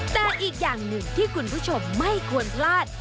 แต่อีกอย่างหนึ่งที่คุณผู้ชมไม่ควรพลาด